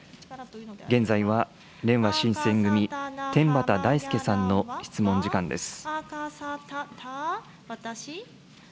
現在はれいわ新選組、天畠大輔さんの質問時間です。